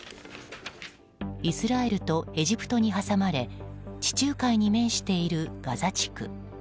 イスラエルとエジプトに挟まれ地中海に面しているガザ地区。